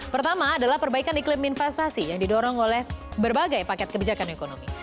pertama adalah perbaikan iklim investasi yang didorong oleh berbagai paket kebijakan ekonomi